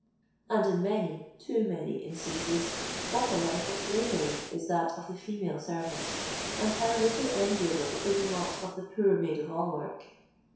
And in many—too many instances—what a life of slavery is that of the female servant!—and how little enviable is the lot of the poor maid of all work!